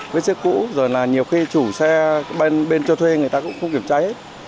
vết xước cũ rồi là nhiều khi chủ xe bên cho thuê người ta cũng không kiểm tra hết